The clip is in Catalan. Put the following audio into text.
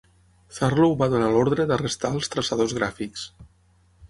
Thurloe va donar l'ordre d'arrestar als traçadors gràfics.